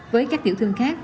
với các tiểu thương khác